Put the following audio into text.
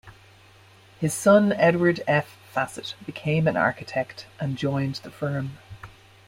His son, Edward F. Fassett, became an architect and joined the firm.